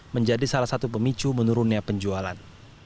menjadi salah satu pemicu menurunnya penjualan